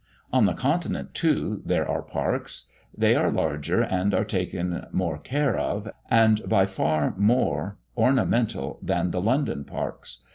On the Continent, too, there are parks; they are larger, and are taken more care of, and by far more ornamental than the London parks.